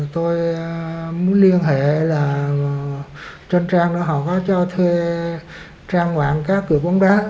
tôi muốn liên hệ là trên trang đó họ có cho thuê trang quảng các cửa bóng đá